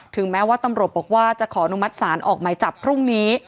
แม้ว่าตำรวจบอกว่าจะขออนุมัติศาลออกหมายจับพรุ่งนี้